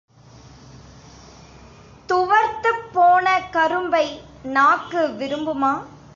துவர்த்துப் போன கரும்பை நாக்கு விரும்புமா?